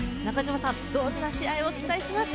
どんな試合を期待しますか？